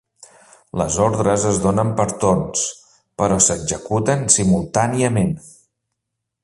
Les ordres es donen per torns però s'executen simultàniament.